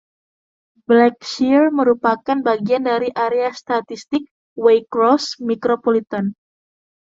Blackshear merupakan bagian dari Area Statistik Waycross Micropolitan.